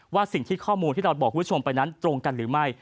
ว่าสิ่งที่ข้อมูลที่เราบอกคุณผู้ชมไปนั้นตรงกันหรือไม่